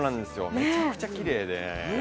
めちゃくちゃきれいで。